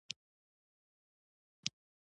په افریقا کې یې هم ریښې غځولې وې.